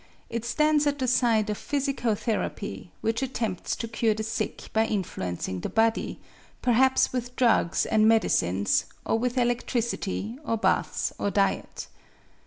It stands at the side of physicotherapy, which attempts to cure the sick by influencing the body, perhaps with drugs and medicines, or with electricity or baths or diet.